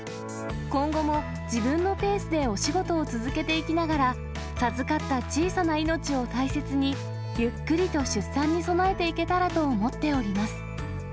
今後も自分のペースでお仕事を続けていきながら、授かった小さな命を大切に、ゆっくりと出産に備えていけたらと思っております。